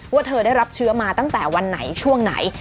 ว่าเธอได้รับเชื้อมาตั้งแต่วันไหนช่วงไหน